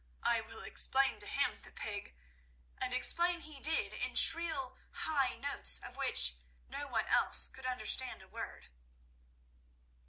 I will explain to him, the pig!" And explain he did in shrill, high notes, of which no one else could understand a word.